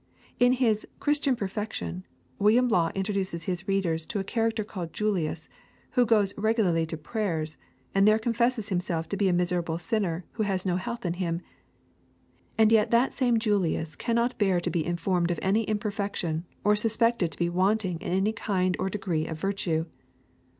In his Christian Perfection William Law introduces his readers to a character called Julius, who goes regularly to prayers, and there confesses himself to be a miserable sinner who has no health in him; and yet that same Julius cannot bear to be informed of any imperfection or suspected to be wanting in any kind or degree of virtue.